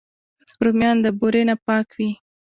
رومیان د بورې نه پاک وي